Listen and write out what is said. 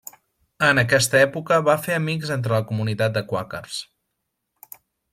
En aquesta època va fer amics entre la comunitat de quàquers.